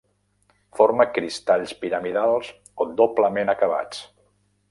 Forma cristalls piramidals o doblement acabats.